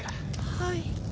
はい。